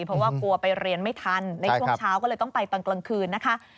เพราะว่ากลัวไปเรียนไม่ทันในช่วงเช้าก็เลยต้องไปตอนกลางคืนนะคะ